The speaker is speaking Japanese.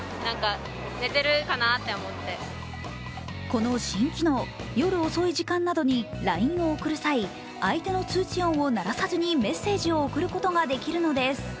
この新機能、夜遅い時間などにＬＩＮＥを送る際、相手の通知音を鳴らさずにメッセージを送ることができるのです。